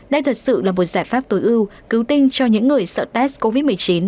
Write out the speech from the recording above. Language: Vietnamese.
đây thật sự là một giải pháp tối ưu cứu tinh cho những người sợ test covid một mươi chín